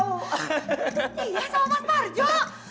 iya sama mas parjo